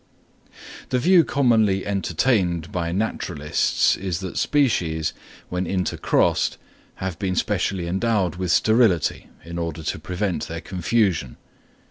The view commonly entertained by naturalists is that species, when intercrossed, have been specially endowed with sterility, in order to prevent their confusion.